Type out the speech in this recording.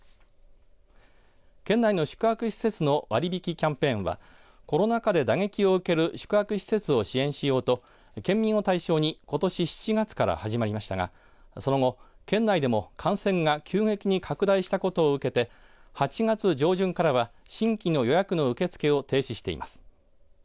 県内の宿泊施設の割り引きキャンペーンはコロナ禍で打撃を受ける宿泊施設を支援しようと県民を対象にことし７月から始まりましたがその後、県内でも感染が急激に拡大したことを受けて８月上旬からは新規の予約の受け付けを停止しています。